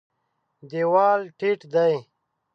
دېوال ټیټ دی.